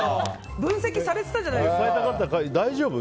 分析されてたじゃないですか。